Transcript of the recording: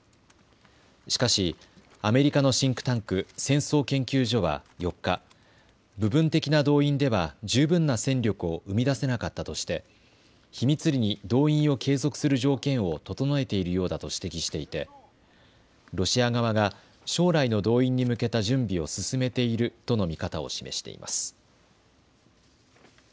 しかしアメリカのシンクタンク、戦争研究所は４日、部分的な動員では十分な戦力を生み出せなかったとして秘密裏に動員を継続する条件を整えているようだと指摘していてロシア側が将来の動員に向けた準備を進めているとの見方を示しています。